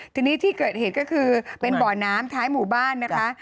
ทีนี้ที่เกิดเหตุก็คือเป็นบ่อน้ำท้ายหมู่บ้านนะคะ